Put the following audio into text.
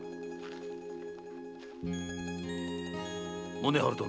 宗春殿。